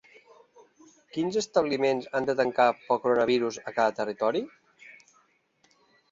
Quins establiments han de tancar pel coronavirus a cada territori?